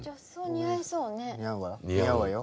似合うわよ。